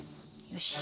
よし。